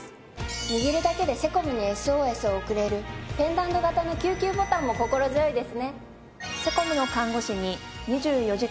握るだけでセコムにＳＯＳを送れるペンダント型の救急ボタンも心強いですね。